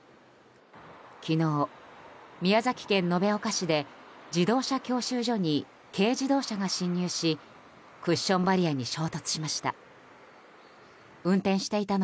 昨日、宮崎県延岡市で自動車教習所に軽自動車が進入しクッションバリアに衝突しました。